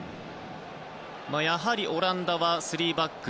やはりオランダは３バック。